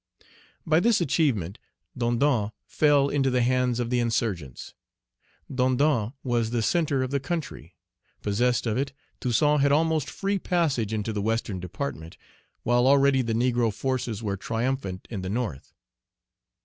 By this achievement, Dondon fell into the hands of the insurgents. Dondon was the centre of the country. Possessed of it, Toussaint had almost free passage into the Western Department, while already the negro forces were triumphant in the north.